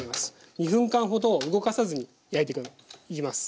２分間ほど動かさずに焼いていきます。